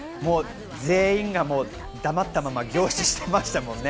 全員が黙ったまま凝視してましたよね。